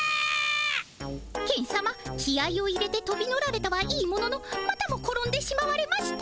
ケンさま気合いを入れてとび乗られたはいいもののまたも転んでしまわれました。